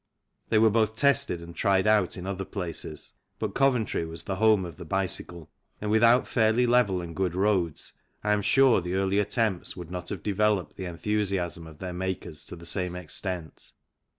They were both tested and tried out in other places, but Coventry was the home of the bicycle, and without fairly level and good roads I am sure the early attempts would not have developed the enthusiasm of their makers to the same extent.